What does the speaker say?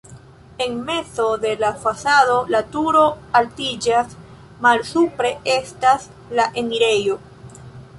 En mezo de la fasado la turo altiĝas, malsupre estas la enirejo.